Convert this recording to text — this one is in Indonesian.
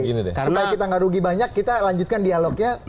supaya kita nggak rugi banyak kita lanjutkan dialognya